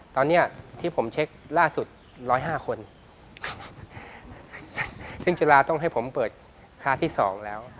ตอนเนี้ยที่ผมเช็คล่าสุดร้อยห้าคนซึ่งจุฬาต้องให้ผมเปิดคลาสที่สองแล้ว